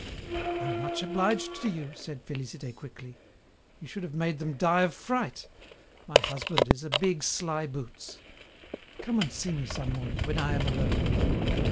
"I'm much obliged to you," said Félicité quickly. "You should have made them die of fright. My husband is a big sly boots. Come and see me some morning, when I am alone."